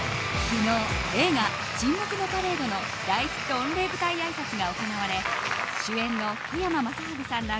昨日映画「沈黙のパレード」の大ヒット御礼舞台挨拶が行われ主演の福山雅治さんら